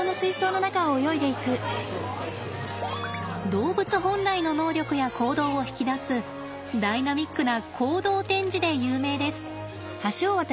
動物本来の能力や行動を引き出すダイナミックな行動展示で有名です。